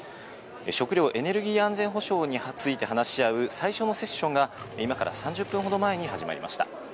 食糧・エネルギー安全保障について話し合う最初のセッションは今から３０分ほど前に始まりました。